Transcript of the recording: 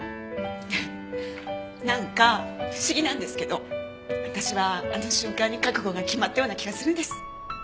なんか不思議なんですけど私はあの瞬間に覚悟が決まったような気がするんです。